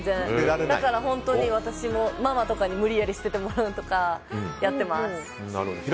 だから私も本当にママとかに無理やり捨ててもらうとかやってます。